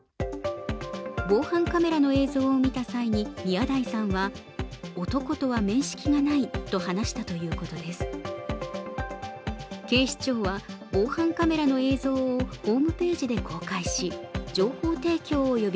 防犯カメラの映像を見た際に宮台さんは男とは面識がないと話したということです。